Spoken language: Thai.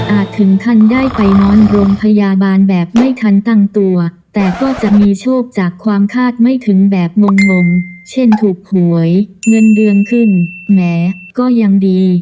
ถึงขั้นได้ไปนอนโรงพยาบาลแบบไม่ทันตั้งตัวแต่ก็จะมีโชคจากความคาดไม่ถึงแบบงงเช่นถูกหวยเงินเดือนขึ้นแหมก็ยังดี